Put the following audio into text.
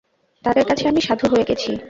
তাদের কাছে আমি সাধু হয়ে গেছি।